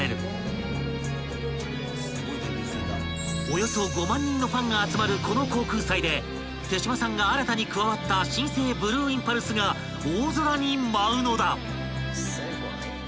［およそ５万人のファンが集まるこの航空祭で手島さんが新たに加わった新生ブルーインパルスが大空に舞うのだ］